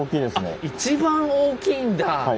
あっ一番大きいんだ。